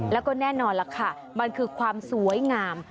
แล้วก็แน่นอนล่ะค่ะมันคือความสวยงาม